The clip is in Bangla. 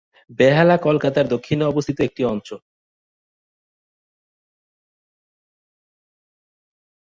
বেহালা কলকাতার দক্ষিণে অবস্থিত একটি অঞ্চল।